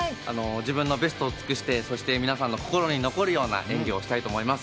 自分のベストを尽くして皆さんの心に残るような演技をしたいと思います。